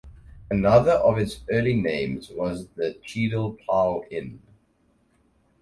Another of its early names was the Cheadle Plough Inn.